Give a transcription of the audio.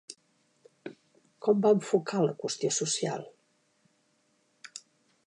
Com va enfocar la qüestió social?